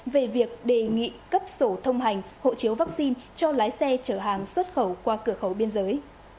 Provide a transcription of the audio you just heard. về việc đề nghị cấp sổ thông hành hộ chiếu vaccine cho lái xe chở hàng xuất khẩu qua cửa khẩu biên giới